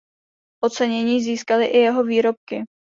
Ocenění získaly i jeho výrobky.